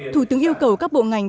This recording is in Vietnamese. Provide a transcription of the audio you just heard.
thủ tướng yêu cầu các bộ ngành